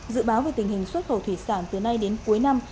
dự báo về tình hình xuất khẩu thủy sản từ nay đến cuối năm